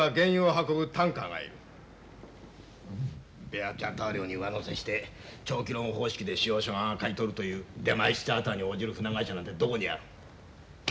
ベアー・チャーター料に上乗せして長期ローン方式で使用者側が買い取るというデマイス・チャーターに応じる船会社なんてどこにある。